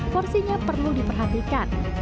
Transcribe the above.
porsinya perlu diperhatikan